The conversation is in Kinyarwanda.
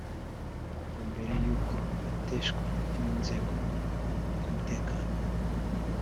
ngo mbere y’uko bateshwa n’inzego z’umutekano